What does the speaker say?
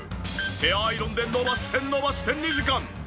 ヘアアイロンで伸ばして伸ばして２時間。